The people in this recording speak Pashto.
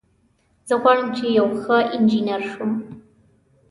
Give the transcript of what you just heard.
زه غواړم چې یو ښه انجینر شم